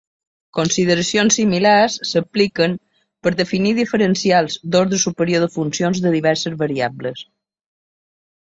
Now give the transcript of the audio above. Consideracions similars s'apliquen per definir diferencials d'ordre superior de funcions de diverses variables.